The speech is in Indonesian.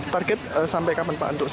target sampai kapan pak